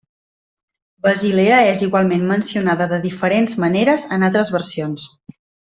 Basilea és igualment mencionada de diferents maneres en altres versions.